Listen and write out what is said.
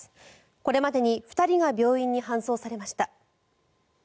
これまでに２人が病院に搬送されました。